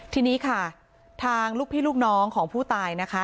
ทีนี้ค่ะทางลูกพี่ลูกน้องของผู้ตายนะคะ